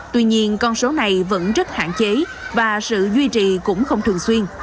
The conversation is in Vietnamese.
tuy nhiên con số này vẫn rất hạn chế và sự duy trì cũng không thường xuyên